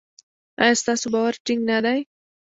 ایا ستاسو باور ټینګ نه دی؟